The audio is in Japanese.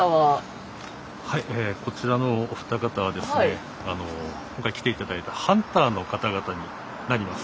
はいこちらのお二方はですね今回来て頂いたハンターの方々になります。